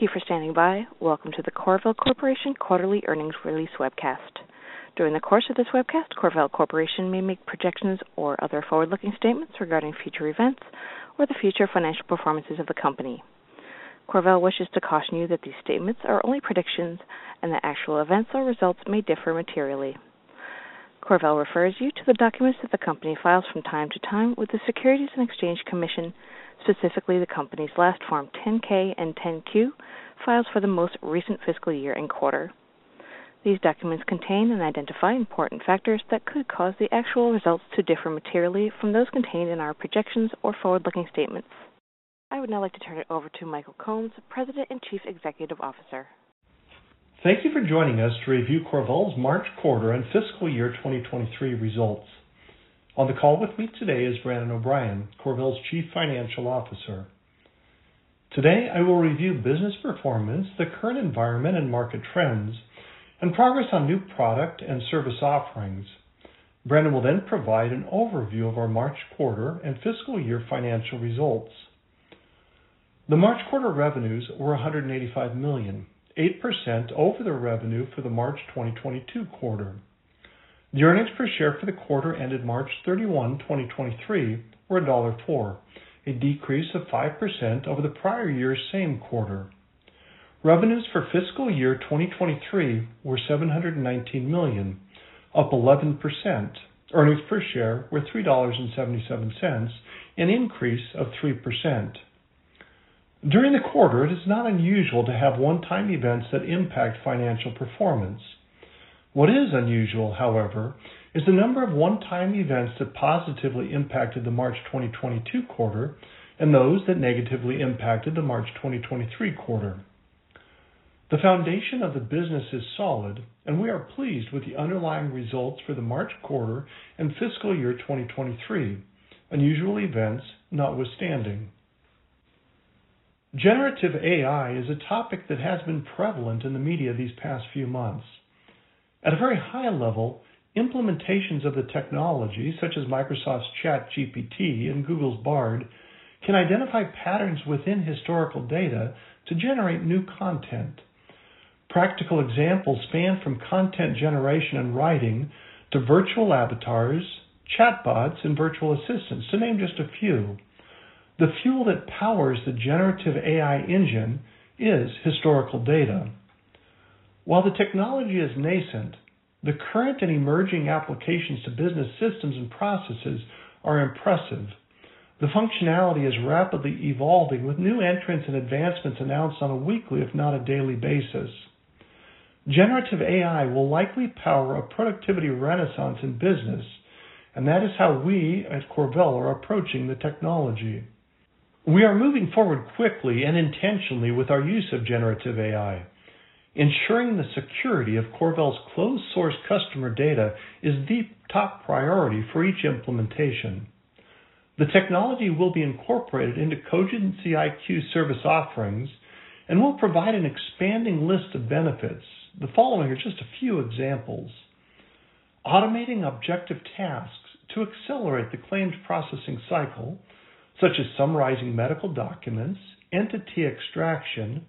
Thank you for standing by. Welcome to the CorVel Corporation Quarterly Earnings Release Webcast. During the course of this webcast, CorVel Corporation may make projections or other forward-looking statements regarding future events or the future financial performances of the company. CorVel wishes to caution you that these statements are only predictions and that actual events or results may differ materially. CorVel refers you to the documents that the company files from time to time with the Securities and Exchange Commission, specifically the company's last Form 10-K and 10-Q files for the most recent fiscal year and quarter. These documents contain and identify important factors that could cause the actual results to differ materially from those contained in our projections or forward-looking statements. I would now like to turn it over to Michael Combs, President and Chief Executive Officer. Thank you for joining us to review CorVel's March quarter and fiscal year 2023 results. On the call with me today is Brandon O'Brien, CorVel's Chief Financial Officer. Today, I will review business performance, the current environment and market trends, and progress on new product and service offerings. Brandon will then provide an overview of our March quarter and fiscal year financial results. The March quarter revenues were $185 million, 8% over the revenue for the March 2022 quarter. The earnings per share for the quarter ended March 31, 2023, were $1.04, a decrease of 5% over the prior year's same quarter. Revenues for fiscal year 2023 were $719 million, up 11%. Earnings per share were $3.77, an increase of 3%. During the quarter, it is not unusual to have one-time events that impact financial performance. What is unusual, however, is the number of one-time events that positively impacted the March 2022 quarter and those that negatively impacted the March 2023 quarter. The foundation of the business is solid. We are pleased with the underlying results for the March quarter and fiscal year 2023. Unusual events notwithstanding. Generative AI is a topic that has been prevalent in the media these past few months. At a very high level, implementations of the technology, such as Microsoft's ChatGPT and Google's Bard, can identify patterns within historical data to generate new content. Practical examples span from content generation and writing to virtual avatars, chatbots, and virtual assistants, to name just a few. The fuel that powers the generative AI engine is historical data. While the technology is nascent, the current and emerging applications to business systems and processes are impressive. The functionality is rapidly evolving, with new entrants and advancements announced on a weekly, if not a daily basis. Generative AI will likely power a productivity renaissance in business, and that is how we, as CorVel, are approaching the technology. We are moving forward quickly and intentionally with our use of generative AI. Ensuring the security of CorVel's closed source customer data is the top priority for each implementation. The technology will be incorporated into CogencyIQ service offerings and will provide an expanding list of benefits. The following are just a few examples: Automating objective tasks to accelerate the claims processing cycle, such as summarizing medical documents, entity extraction,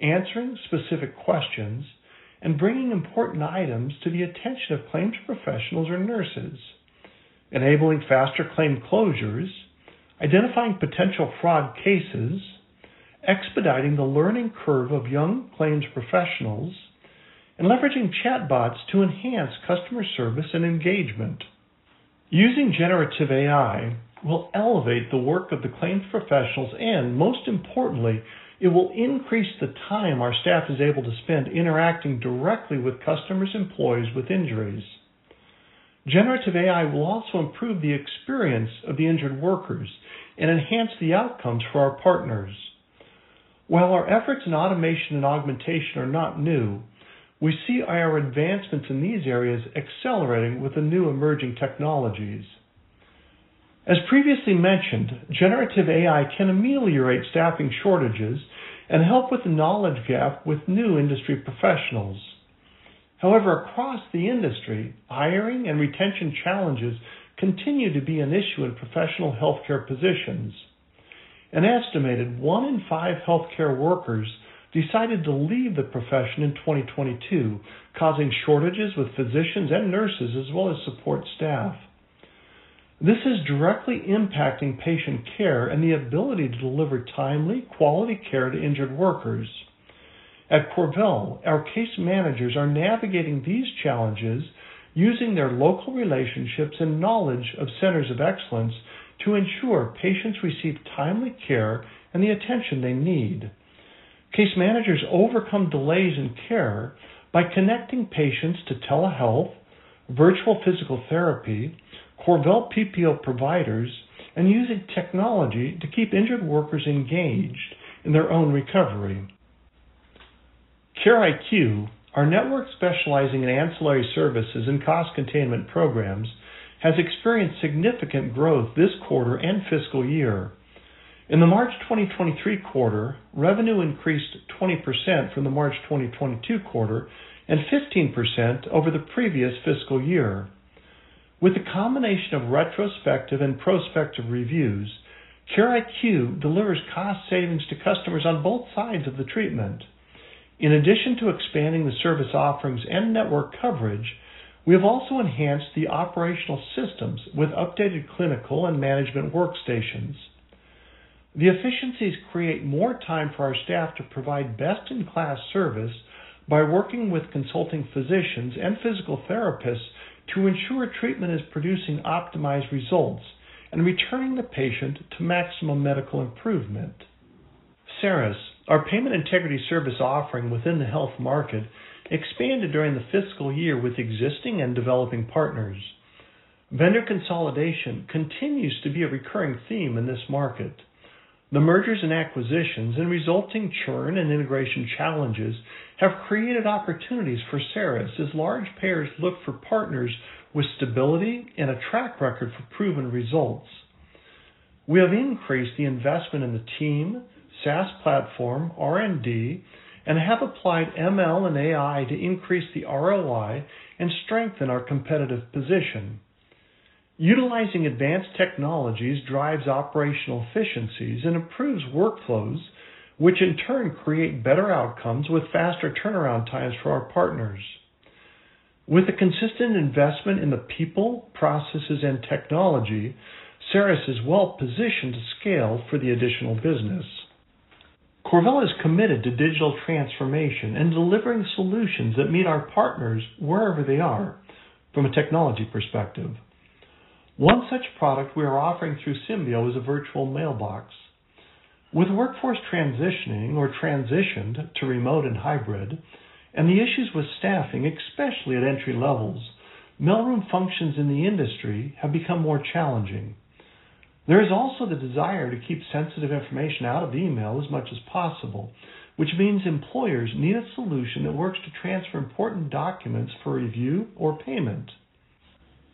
answering specific questions, and bringing important items to the attention of claims professionals or nurses, enabling faster claim closures, identifying potential fraud cases, expediting the learning curve of young claims professionals, and leveraging chatbots to enhance customer service and engagement. Using generative AI will elevate the work of the claims professionals, and most importantly, it will increase the time our staff is able to spend interacting directly with customers, employees with injuries. Generative AI will also improve the experience of the injured workers and enhance the outcomes for our partners. While our efforts in automation and augmentation are not new, we see our advancements in these areas accelerating with the new emerging technologies. As previously mentioned, generative AI can ameliorate staffing shortages and help with the knowledge gap with new industry professionals. However, across the industry, hiring and retention challenges continue to be an issue in professional healthcare positions. An estimated 1 in 5 healthcare workers decided to leave the profession in 2022, causing shortages with physicians and nurses, as well as support staff. This is directly impacting patient care and the ability to deliver timely, quality care to injured workers. At CorVel, our case managers are navigating these challenges using their local relationships and knowledge of centers of excellence to ensure patients receive timely care and the attention they need. Case managers overcome delays in care by connecting patients to telehealth, virtual physical therapy, CorVel PPO providers, and using technology to keep injured workers engaged in their own recovery. CareIQ, our network specializing in ancillary services and cost containment programs, has experienced significant growth this quarter and fiscal year. In the March 2023 quarter, revenue increased 20% from the March 2022 quarter and 15% over the previous fiscal year....With a combination of retrospective and prospective reviews, CareIQ delivers cost savings to customers on both sides of the treatment. In addition to expanding the service offerings and network coverage, we have also enhanced the operational systems with updated clinical and management workstations. The efficiencies create more time for our staff to provide best-in-class service by working with consulting physicians and physical therapists to ensure treatment is producing optimized results and returning the patient to maximum medical improvement. CERIS, our payment integrity service offering within the health market, expanded during the fiscal year with existing and developing partners. Vendor consolidation continues to be a recurring theme in this market. The mergers and acquisitions and resulting churn and integration challenges have created opportunities for CERIS as large payers look for partners with stability and a track record for proven results. We have increased the investment in the team, SaaS platform, R&D, and have applied ML and AI to increase the ROI and strengthen our competitive position. Utilizing advanced technologies drives operational efficiencies and improves workflows, which in turn create better outcomes with faster turnaround times for our partners. With a consistent investment in the people, processes, and technology, CERIS is well positioned to scale for the additional business. CorVel is committed to digital transformation and delivering solutions that meet our partners wherever they are from a technology perspective. One such product we are offering through Symbio is a virtual mailbox. With the workforce transitioning or transitioned to remote and hybrid, and the issues with staffing, especially at entry levels, mailroom functions in the industry have become more challenging. There is also the desire to keep sensitive information out of email as much as possible, which means employers need a solution that works to transfer important documents for review or payment.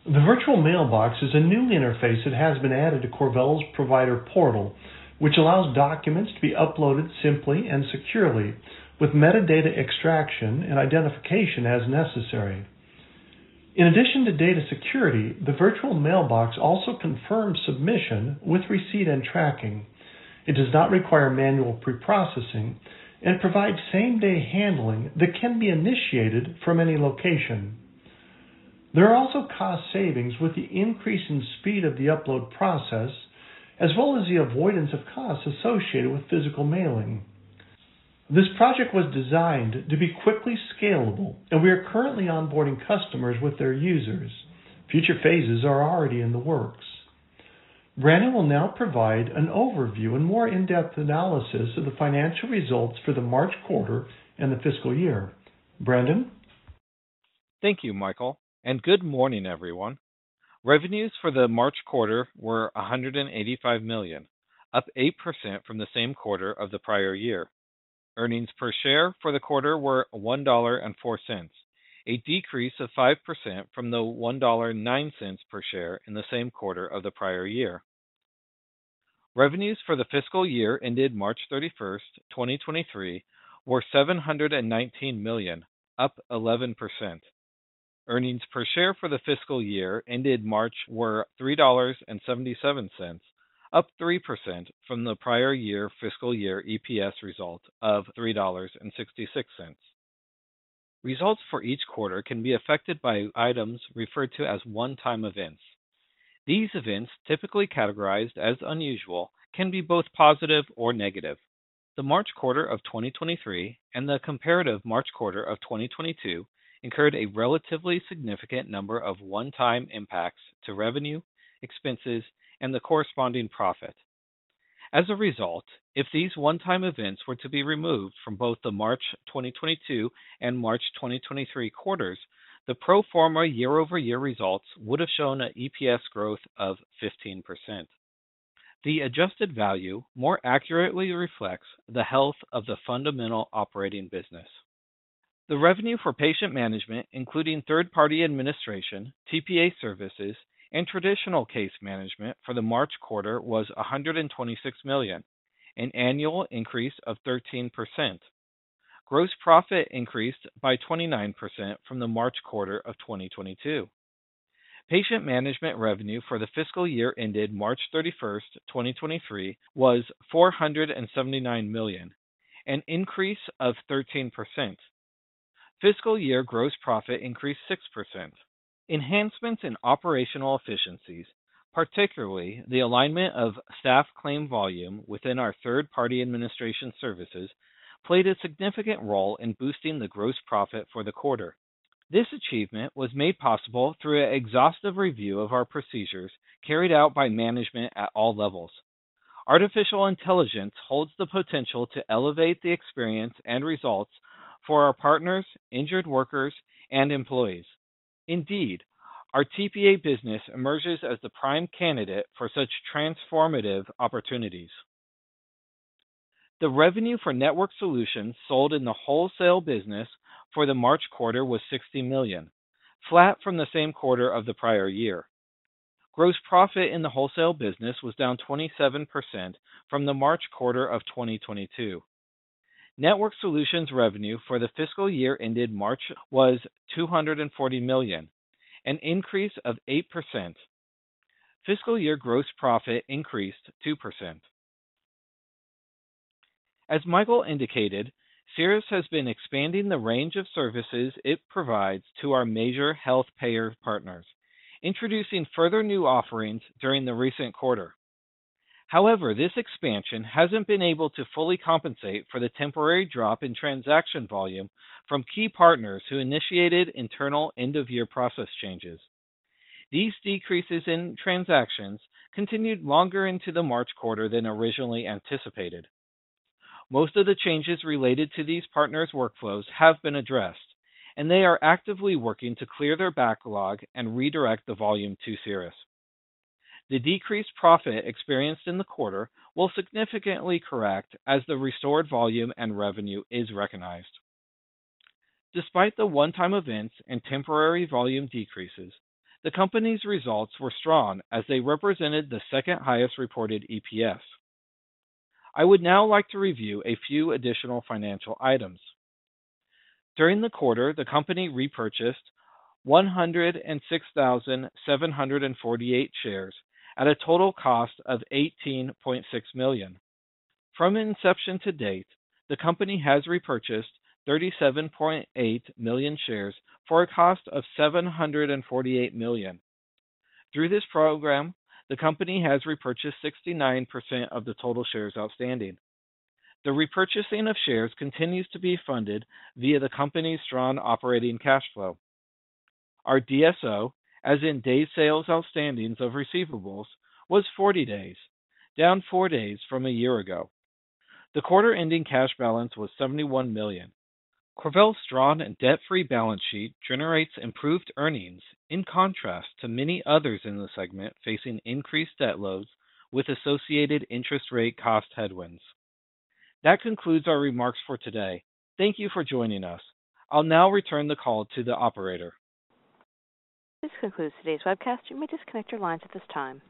The virtual mailbox is a new interface that has been added to CorVel's provider portal, which allows documents to be uploaded simply and securely, with metadata extraction and identification as necessary. In addition to data security, the virtual mailbox also confirms submission with receipt and tracking. It does not require manual pre-processing and provides same-day handling that can be initiated from any location. There are also cost savings with the increase in speed of the upload process, as well as the avoidance of costs associated with physical mailing. This project was designed to be quickly scalable. We are currently onboarding customers with their users. Future phases are already in the works. Brandon will now provide an overview and more in-depth analysis of the financial results for the March quarter and the fiscal year. Brandon? Thank you, Michael, and good morning, everyone. Revenues for the March quarter were $185 million, up 8% from the same quarter of the prior year. Earnings per share for the quarter were $1.04, a decrease of 5% from the $1.09 per share in the same quarter of the prior year. Revenues for the fiscal year ended March 31, 2023, were $719 million, up 11%. Earnings per share for the fiscal year ended March were $3.77, up 3% from the prior year fiscal year EPS result of $3.66. Results for each quarter can be affected by items referred to as one-time events. These events, typically categorized as unusual, can be both positive or negative. The March quarter of 2023 and the comparative March quarter of 2022 incurred a relatively significant number of one-time impacts to revenue, expenses, and the corresponding profit. As a result, if these one-time events were to be removed from both the March 2022 and March 2023 quarters, the pro forma year-over-year results would have shown an EPS growth of 15%. The adjusted value more accurately reflects the health of the fundamental operating business. The revenue for patient management, including third-party administration, TPA services, and traditional case management for the March quarter, was $126 million, an annual increase of 13%. Gross profit increased by 29% from the March quarter of 2022. Patient management revenue for the fiscal year ended March thirty-first, 2023, was $479 million, an increase of 13%. Fiscal year gross profit increased 6%. Enhancements in operational efficiencies, particularly the alignment of staff claim volume within our third party administration services, played a significant role in boosting the gross profit for the quarter. This achievement was made possible through an exhaustive review of our procedures carried out by management at all levels. Artificial intelligence holds the potential to elevate the experience and results for our partners, injured workers, and employees. Indeed, our TPA business emerges as the prime candidate for such transformative opportunities. The revenue for network solutions sold in the wholesale business for the March quarter was $60 million, flat from the same quarter of the prior year. Gross profit in the wholesale business was down 27% from the March quarter of 2022. Network solutions revenue for the fiscal year ended March was $240 million, an increase of 8%. Fiscal year gross profit increased 2%. As Michael indicated, CERIS has been expanding the range of services it provides to our major health payer partners, introducing further new offerings during the recent quarter. However, this expansion hasn't been able to fully compensate for the temporary drop in transaction volume from key partners who initiated internal end-of-year process changes. These decreases in transactions continued longer into the March quarter than originally anticipated. Most of the changes related to these partners' workflows have been addressed, and they are actively working to clear their backlog and redirect the volume to CERIS. The decreased profit experienced in the quarter will significantly correct as the restored volume and revenue is recognized. Despite the one-time events and temporary volume decreases, the company's results were strong as they represented the second-highest reported EPS. I would now like to review a few additional financial items. During the quarter, the company repurchased 106,748 shares at a total cost of $18.6 million. From inception to date, the company has repurchased 37.8 million shares for a cost of $748 million. Through this program, the company has repurchased 69% of the total shares outstanding. The repurchasing of shares continues to be funded via the company's strong operating cash flow. Our DSO, as in days sales outstandings of receivables, was 40 days, down 4 days from a year ago. The quarter-ending cash balance was $71 million. CorVel's strong and debt-free balance sheet generates improved earnings, in contrast to many others in the segment, facing increased debt loads with associated interest rate cost headwinds. That concludes our remarks for today. Thank you for joining us. I'll now return the call to the operator. This concludes today's webcast. You may disconnect your lines at this time.